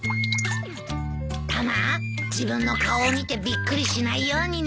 タマ自分の顔を見てびっくりしないようにね。